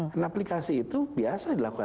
karena aplikasi itu biasa dilakukan